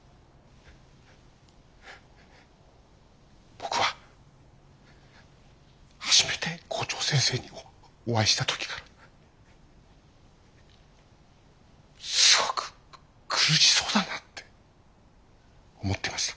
僕は初めて校長先生にお会いした時からすごく苦しそうだなって思ってました。